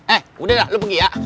eh udah lah lo pergi ya